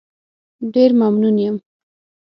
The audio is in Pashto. ډېر ممنون یم.